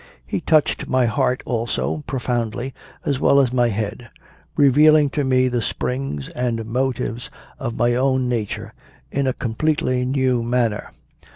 He touched my heart also, profoundly, as well as my head, revealing to me the springs and motives of my own nature in a completely new manner.